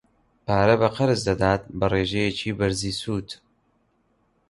پارە بە قەرز دەدات بە ڕێژەیەکی بەرزی سوود.